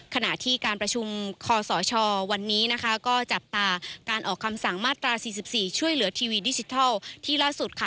ขณะที่การประชุมคอสชวันนี้นะคะก็จับตาการออกคำสั่งมาตรา๔๔ช่วยเหลือทีวีดิจิทัลที่ล่าสุดค่ะ